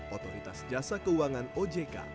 otoritas jasa keuangan ojk